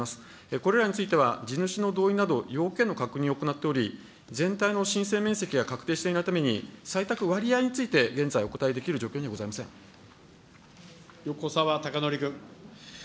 これらについては、地主の同意など、要件の確認を行っており、全体の申請面積が確定していないために、採択割合について、現在はお答えできる状況にはございませ横沢高徳君。